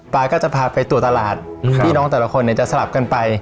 ก็จะพาไปตรวจตลาดพี่น้องแต่ละคนเนี่ยจะสลับกันไป